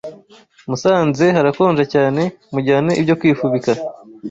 musanze harakonja cyane mujyane ibyo kwifubika